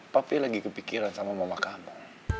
papi lagi kepikiran sama mama kamu